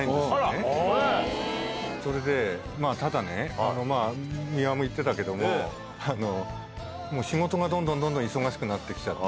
それでまぁ三輪も言ってたけども仕事がどんどん忙しくなって来ちゃって。